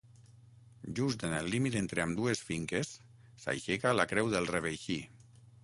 Just en el límit entre ambdues finques s'aixeca la Creu del Reveixí.